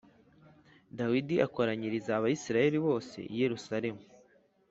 dawidi akoranyiriza abisirayeli bose i yerusalemu